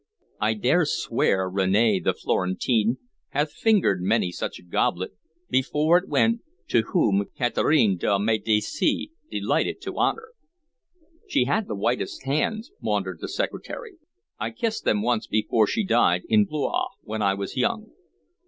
I dare swear Rene, the Florentine, hath fingered many such a goblet before it went to whom Catherine de' Medici delighted to honor." "She had the whitest hands," maundered the Secretary. "I kissed them once before she died, in Blois, when I was young.